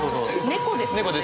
猫です。